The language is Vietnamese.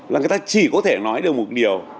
là người ta chỉ có thể nói được một điều